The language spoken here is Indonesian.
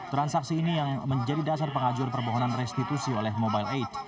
transaksi ini yang menjadi dasar pengajur permohonan restitusi oleh mobile aid